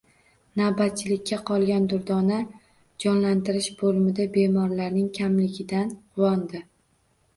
Navbatchilikka qolgan Durdona jonlantirish bo`limida bemorlarning kamligidan quvondi